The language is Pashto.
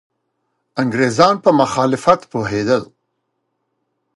انګریزان په مخالفت پوهېدل.